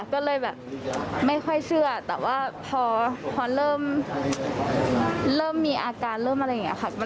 ก็เลยแบบไม่ค่อยเชื่อแต่ว่าพอเริ่มมีอาการเริ่มอะไรอย่างนี้ค่ะ